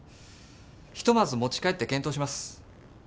ひとまず持ち帰って検討します。